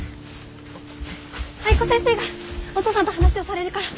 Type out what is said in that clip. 藍子先生がお父さんと話をされるから。